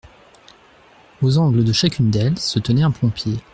Aux angles de chacune d'elles, se tenait un pompier.